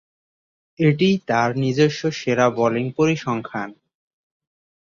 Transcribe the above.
এটিই তার নিজস্ব সেরা বোলিং পরিসংখ্যান।